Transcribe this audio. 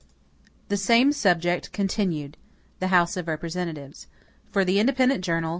53 The Same Subject Continued (The House of Representatives) For the Independent Journal.